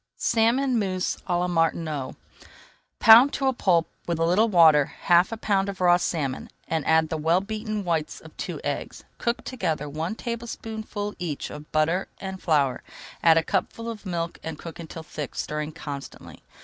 SALMON MOUSSE À LA MARTINOT Pound to a pulp with a little water, half a pound of raw salmon, and add the well beaten whites of two eggs. Cook together one tablespoonful each of butter and flour, add a cupful of milk, and cook until thick, stirring constantly.